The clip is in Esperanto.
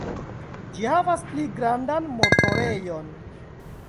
Ĝi havas pli grandan motorejon.